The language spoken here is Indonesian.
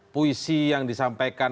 puisi yang disampaikan